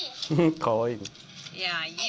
かわいい。